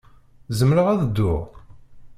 Zemreɣ ad dduɣ?